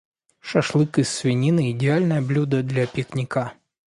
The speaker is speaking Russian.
Шашлык из свинины - идеальное блюдо для пикника.